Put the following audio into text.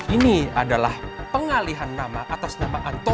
ini adalah pengalihan nama atas nama anton